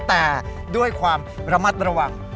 แต่ด้วยความระมัดระวัง